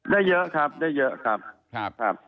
ได้เยอะครับได้เยอะครับ